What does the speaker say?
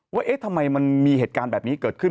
ว่าเอ๊ะทำไมมันมีเหตุการณ์แบบนี้เกิดขึ้น